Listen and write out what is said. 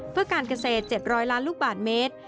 เพื่อการเกษตร๗๐๐ล้านลูกบาทเมตร